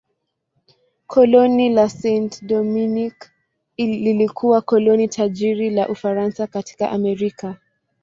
Koloni la Saint-Domingue lilikuwa koloni tajiri la Ufaransa katika Amerika.